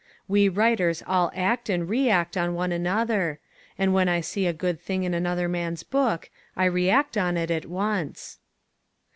We writers all act and react on one another; and when I see a good thing in another man's book I react on it at once.